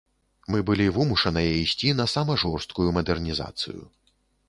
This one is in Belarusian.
Мы былі вымушаныя ісці на сама жорсткую мадэрнізацыю.